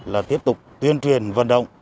là tiếp tục tuyên truyền vận động